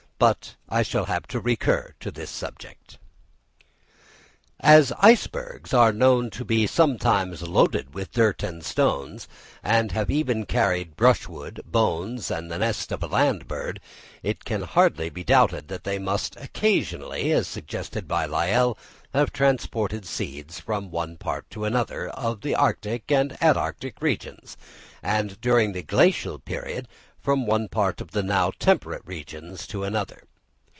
But I shall have to recur to this subject. As icebergs are known to be sometimes loaded with earth and stones, and have even carried brushwood, bones, and the nest of a land bird, it can hardly be doubted that they must occasionally, as suggested by Lyell, have transported seeds from one part to another of the arctic and antarctic regions; and during the Glacial period from one part of the now temperate regions to another.